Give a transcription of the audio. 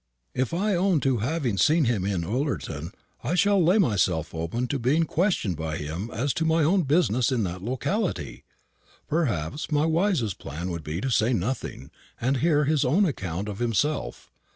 If I own to having seen him in Ullerton, I shall lay myself open to being questioned by him as to my own business in that locality. Perhaps my wisest plan would be to say nothing, and hear his own account of himself.